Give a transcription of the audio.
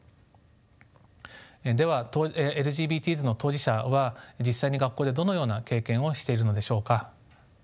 ではＬＧＢＴｓの当事者は実際に学校でどのような経験をしているのでしょうか。